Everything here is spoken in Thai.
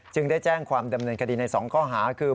ได้แจ้งความดำเนินคดีใน๒ข้อหาคือ